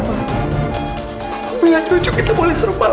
tapi yang jujur kita boleh serupa lagi